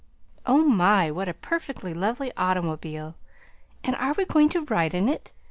Oh, my! what a perfectly lovely automobile! And are we going to ride in it?"